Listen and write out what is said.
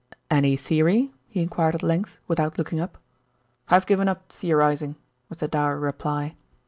"Any theory?" he enquired at length, without looking up. "I've given up theorising," was the dour reply.